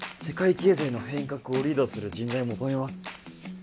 「世界経済の変革をリードする人材を求めます」